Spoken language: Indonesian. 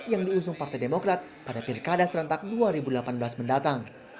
yang diusung partai demokrat pada pilkada serentak dua ribu delapan belas mendatang